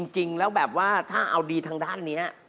จริงแล้วแบบว่าถ้าเอาดีทางด้านนี้